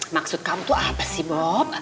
maksud kamu tuh apa sih bob